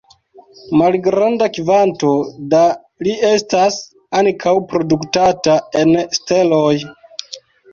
Malgranda kvanto da Li estas ankaŭ produktata en steloj.